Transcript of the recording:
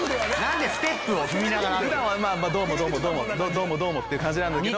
どうもどうも！っていう感じ。